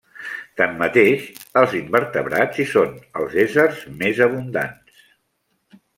Tanmateix, els invertebrats hi són els éssers més abundants.